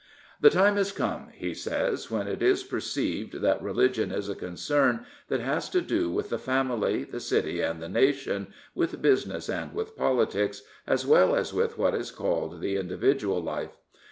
"*' The time has come," he says, " when it is per ceived that religion is a concern that has to do with the family, the city and the nation, with business and with politics, as well as with what is called the indi vidual life.